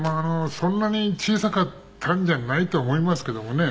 そんなに小さかったんじゃないと思いますけどもね。